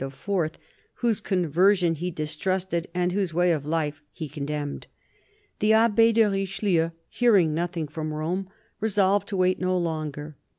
whose conversion he distrusted and whose way of life he condemned. The Abbe de Richelieu, hearing nothing from Rome, resolved to wait no longer.